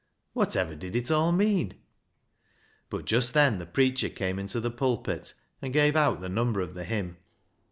Whatever did it all mean ? But just then the preacher came into the pulpit and gave out the number of the hymn.